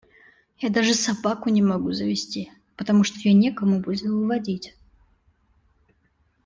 Я даже собаку не могу завести, потому что ее некому будет выводить.